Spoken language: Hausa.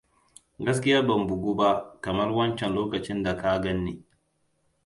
Gaskiya ban bugu ba kamar wancan lokacin da ka ganni.